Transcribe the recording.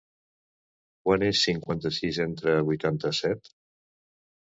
Quant és cinquanta-sis entre vuitanta-set?